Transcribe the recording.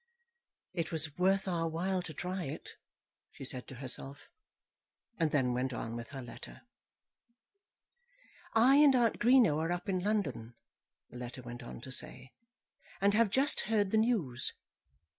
"It was worth our while to try it," she said to herself, and then went on with her letter. "I and Aunt Greenow are up in London," the letter went on to say, "and have just heard the news.